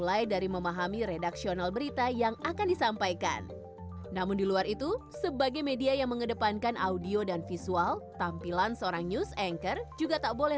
adalah keseharian komisaris besar polisi awi setiono